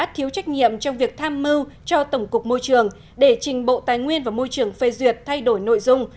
trong việc tham mưu cho tổng cục môi trường để trình bộ tài nguyên và môi trường phê duyệt thay đổi nội dung